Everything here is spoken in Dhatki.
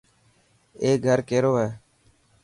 اي گھر ڪيرو هي.